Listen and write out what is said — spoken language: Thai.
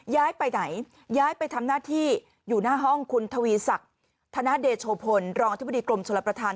ย้ายไปไหนย้ายไปทำหน้าที่อยู่หน้าห้องคุณทวีศักดิ์ธนเดโชพลรองอธิบดีกรมชลประธาน